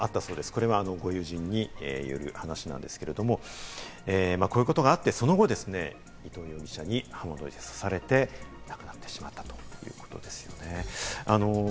これは友人による話なんですけれども、こういうことがあってその後、伊藤容疑者に刃物で刺されて死亡してしまったということなんですね。